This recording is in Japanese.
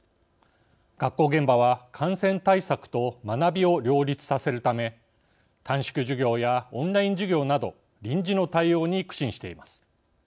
学校現場は感染対策と学びを両立させるため短縮授業やオンライン授業など臨時の対応に苦心しています。